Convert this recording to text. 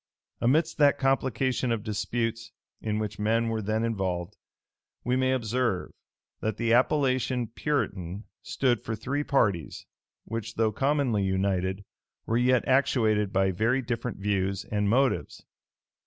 Amidst that complication of disputes in which men were then involved, we may observe, that the appellation "Puritan" stood for three parties, which, though commonly united, were yet actuated by very different views and motives.